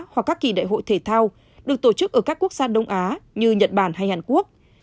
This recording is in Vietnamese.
hoặc các kỳ đại hội thể thao được tổ chức ở các quốc gia đông á như nhật bản hay hàn quốc